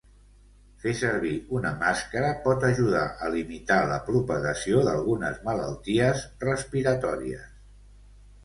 Fer servir una màscara pot ajudar a limitar la propagació d’algunes malalties respiratòries.